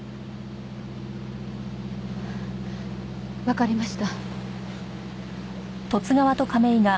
わかりました。